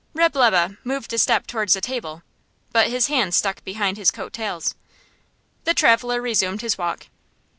Reb' Lebe moved a step towards the table, but his hands stuck behind his coat tails. The traveller resumed his walk.